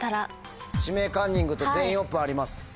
「指名カンニング」と「全員オープン」あります。